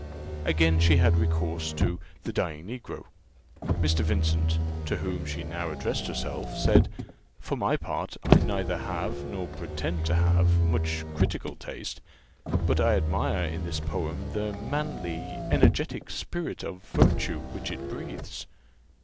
Again she had recourse to 'the dying Negro.' Mr. Vincent, to whom she now addressed herself, said, "For my part, I neither have, nor pretend to have, much critical taste; but I admire in this poem the manly, energetic spirit of virtue which it breathes."